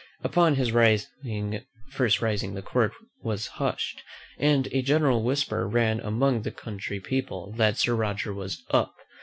Upon his first rising the court was hushed, and a general whisper ran among the country people that Sir Roger was UP.